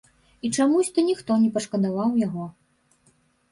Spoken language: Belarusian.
І чамусь то ніхто не пашкадаваў яго.